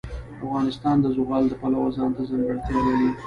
افغانستان د زغال د پلوه ځانته ځانګړتیا لري.